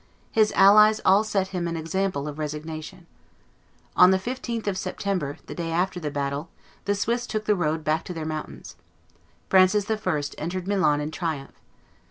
His allies all set him an example of resignation. On the 15th of September, the day after the battle, the Swiss took the road back to their mountains. Francis I. entered Milan in triumph.